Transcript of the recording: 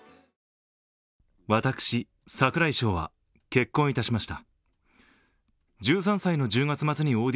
私、櫻井翔は結婚いたしました。